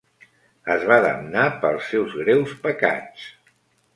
Es va damnar pels seus greus pecats.